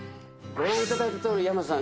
ご覧いただいたとおり山瀬さん